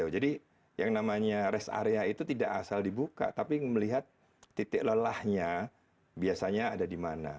jadi yang namanya rest area itu tidak asal dibuka tapi melihat titik lelahnya biasanya ada di mana